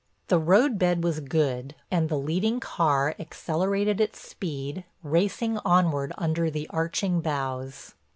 The roadbed was good and the leading car accelerated its speed racing onward under the arching boughs.